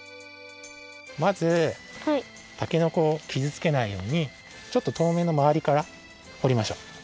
まずたけのこをきずつけないようにちょっととおめのまわりからほりましょう。